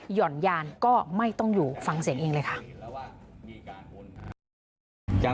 ห่อนยานก็ไม่ต้องอยู่ฟังเสียงเองเลยค่ะ